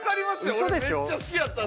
俺めっちゃ好きやったんで。